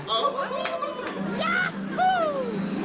ย๊าห์ฮู้